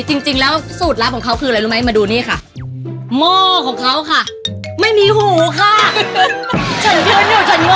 จริงแล้วสูตรลับของเขาคืออะไรรู้ไหม